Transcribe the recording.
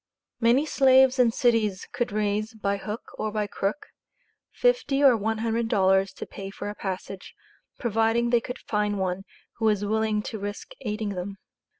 Many slaves in cities could raise, "by hook or by crook," fifty or one hundred dollars to pay for a passage, providing they could find one who was willing to risk aiding them.